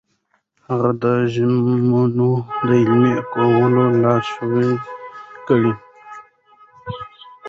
هغه د ژمنو د عملي کولو لارښوونې وکړې.